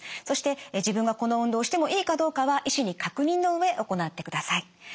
そして自分がこの運動をしてもいいかどうかは医師に確認の上行ってください。